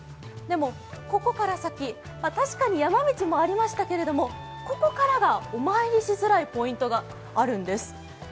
ここから先、確かに山道もありましたけれどもここからがお参りしづらいポイントがあるんです。